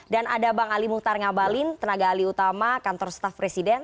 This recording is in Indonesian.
dan ada bang ali muhtar ngabalin tenaga ali utama kantor staff presiden